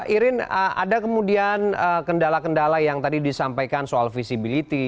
irin ada kemudian kendala kendala yang tadi disampaikan soal visibility